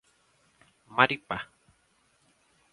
Maripá